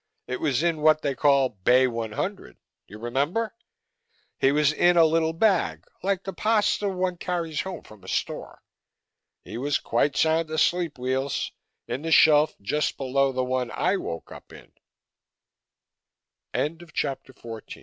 It was in what they call Bay 100 you remember? He was in a little bag like the pasta one carries home from a store. He was quite sound asleep, Weels, in the shelf just below the one I woke up in." XV So now at last I knew why Millen Carmody